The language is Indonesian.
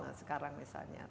nah sekarang misalnya